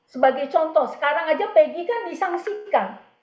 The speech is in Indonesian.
sebagai contoh sekarang saja peggy kan disangsikan